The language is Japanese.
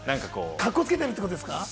カッコつけてるってことですか？